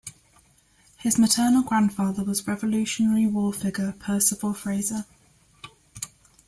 His maternal grandfather was Revolutionary War figure Persifor Frazer.